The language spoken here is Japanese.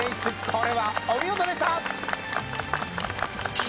これはお見事でした！